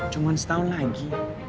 cuman setahun lagi